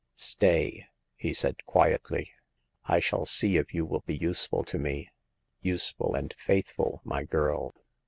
" Stay," said he, quietly. " I shall see if you will be useful to me — useful and faithful, my girl.